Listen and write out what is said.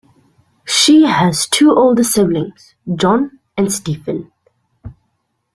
She has two older siblings: John and Stephen.